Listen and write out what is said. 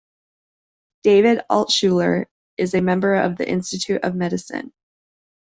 David Altshuler is a member of the Institute of Medicine.